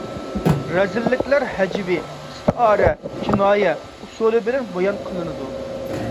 رەزىللىكلەر ھەجۋىي، ئىستىئارە، كىنايە ئۇسۇلى بىلەن بايان قىلىنىدۇ.